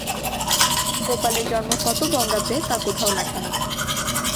গোপালের জন্ম কত বঙ্গাব্দে তা কোথাও লেখা নেই।